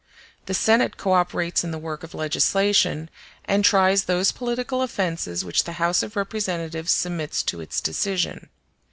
The Senate co operates in the work of legislation, and tries those political offences which the House of Representatives submits to its decision.